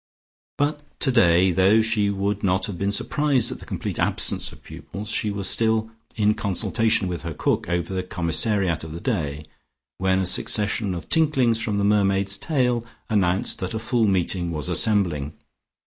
But today, though she would not have been surprised at the complete absence of pupils, she was still in consultation with her cook over the commissariat of the day, when a succession of tinklings from the mermaid's tail, announced that a full meeting was assembling.